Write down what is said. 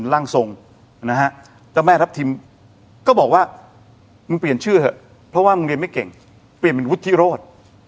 แต่แม่ทรัพย์ทิมก็บอกว่ามึงเปลี่ยนชื่อเพราะว่ามึงเรียนไม่เก่งเปลี่ยนเป็นวุฒิภูมิโรธ